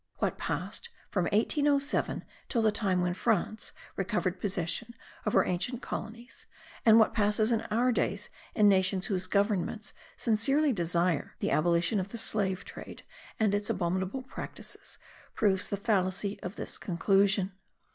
What passed from 1807 till the time when France recovered possession of her ancient colonies, and what passes in our days in nations whose governments sincerely desire the abolition of the slave trade and its abominable practices, proves the fallacy of this conclusion.